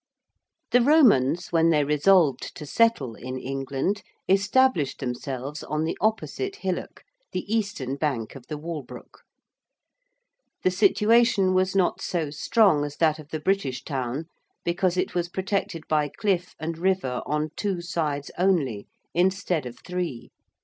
The Romans, when they resolved to settle in England, established themselves on the opposite hillock, the eastern bank of the Walbrook. The situation was not so strong as that of the British town, because it was protected by cliff and river on two sides only instead of three.